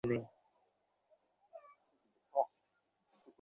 আমি কোনো কথাই কই নাই।